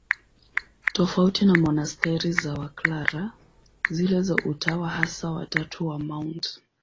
Tofauti na monasteri za Waklara, zile za Utawa Hasa wa Tatu wa Mt.